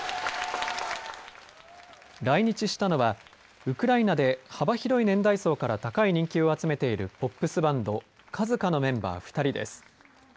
来日したのはウクライナで幅広い年代層から高い人気を集めているポップスバンドＫＡＺＫＡのメンバー２人です。